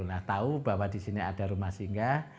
nah tahu bahwa di sini ada rumah singgah